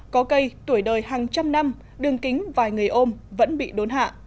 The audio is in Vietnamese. có cây tuổi đời hàng trăm năm đường kính vài người ôm vẫn bị đốn hạ